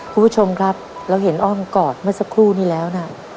คุณผู้ชมครับเราเห็นอ้อมกอดเมื่อสักครู่นี้แล้วนะ